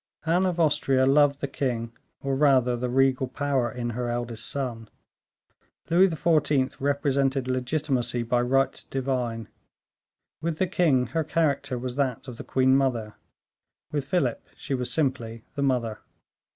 Anne of Austria loved the king, or rather the regal power in her eldest son; Louis XIV. represented legitimacy by right divine. With the king, her character was that of the queen mother, with Philip she was simply the mother.